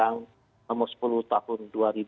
nomor sepuluh tahun dua ribu enam belas